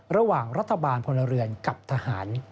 ระหว่างรัฐบาลพลเรือนกับทหาร